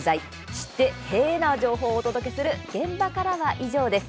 知って、へえな情報をお届けする「現場からは以上です」。